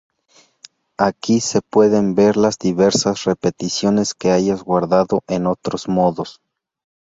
Aquí se pueden ver las diversas repeticiones que hayas guardado en otros modos.